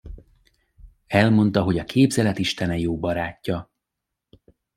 Elmondta, hogy a képzelet istene, jó barátja.